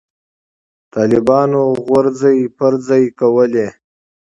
طالبانو غورځې پرځې کولې.